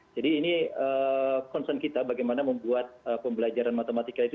jadi ini concern kita bagaimana membuat pembelajaran matematika itu